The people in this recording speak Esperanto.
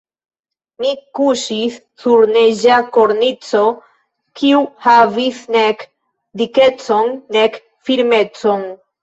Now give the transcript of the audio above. Mi kuŝis sur neĝa kornico, kiu havis nek dikecon nek firmecon.